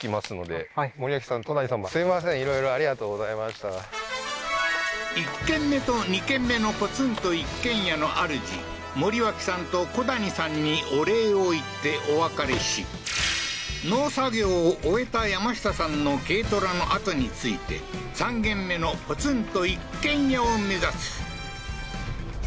じゃあちょっと１軒目と２軒目のポツンと一軒家のあるじ森脇さんと古谷さんにお礼を言ってお別れし農作業を終えた山下さんの軽トラのあとについてこれいい山だなうん